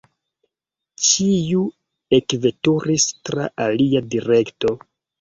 Ĉiu ekveturis tra alia direkto.